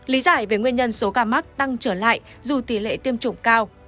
lý giải về nguyên nhân số ca mắc tăng trở lại dù tỷ lệ tiêm chủng cao